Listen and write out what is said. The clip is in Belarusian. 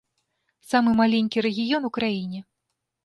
Самы маленькі рэгіён у краіне.